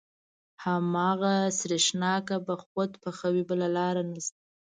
هماغه سرېښناکه به خود پخوې بله لاره نشته.